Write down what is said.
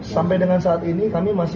sampai dengan saat ini kami masih